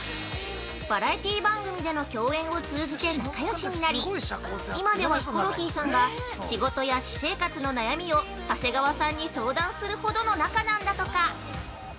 バラエティー番組での共演を通じて仲よしになり今では、ヒコロヒーさんが仕事や私生活の悩みを長谷川さんに相談するほどの仲なんだとか。